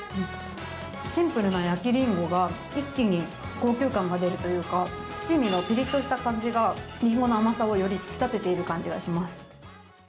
シンプルな焼きリンゴが一気に高級感が出るというか七味のピリッとした感じが、りんごの甘さをより引き立てている感じがします。